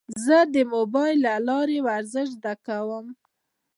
زه د موبایل له لارې ورزش زده کوم.